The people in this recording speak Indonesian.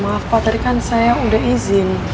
maaf pak tadi kan saya udah izin